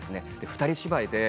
二人芝居で。